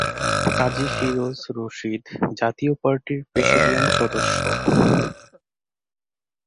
কাজী ফিরোজ রশীদ জাতীয় পার্টির প্রেসিডিয়াম সদস্য।